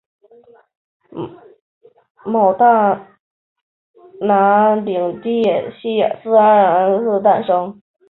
蒙大拿领地系自爱达荷领地分裂诞生。